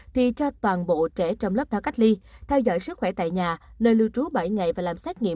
thì cho toàn bộ trẻ trong lớp đã cách ly theo dõi sức khỏe tại nhà nơi lưu trú bảy ngày và làm xét nghiệm